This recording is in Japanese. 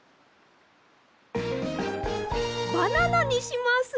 バナナにします！